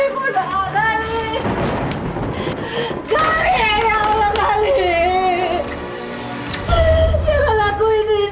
percaya sama ibu dong